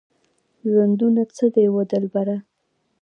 ژوندونه څه دی وه دلبره؟